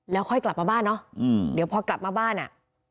แล้วค่อยกลับมาบ้านเนาะเดี๋ยวพอกลับมาบ้านอ่ะ